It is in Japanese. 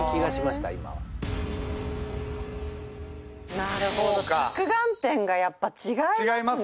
なるほど着眼点がやっぱ違いますね。